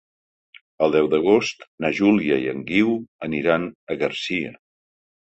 El deu d'agost na Júlia i en Guiu aniran a Garcia.